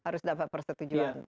harus dapat persetujuan